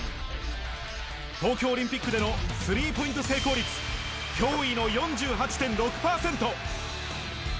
東京オリンピックでのスリーポイント成功率、驚異の４８．６％。